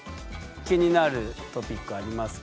気になるトピックありますか？